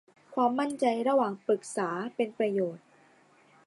ความมั่นใจระหว่างปรึกษาเป็นประโยชน์